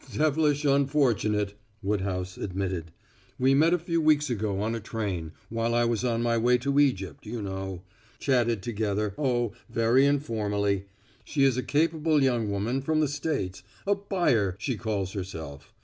"Devilish unfortunate," Woodhouse admitted. "We met a few weeks ago on a train, while I was on my way to Egypt, you know. Chatted together oh, very informally. She is a capable young woman from the States a 'buyer' she calls herself.